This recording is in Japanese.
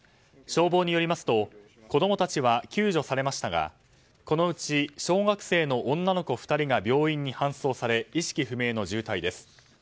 消防によりますと子供たちは救助されましたがこのうち小学生の女の子２人が病院に搬送され意識不明の重体です。